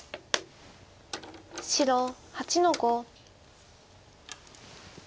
白８の五。